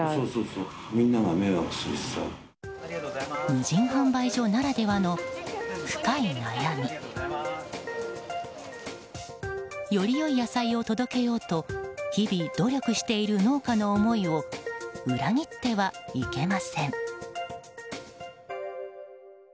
無人販売所ならではの深い悩み。よりよい野菜を届けようと日々努力している農家の思いを裏切ってはいけません。